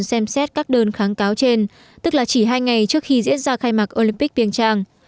xem xét các đơn kháng cáo trên tức là chỉ hai ngày trước khi diễn ra khai mạc olympic piêng trang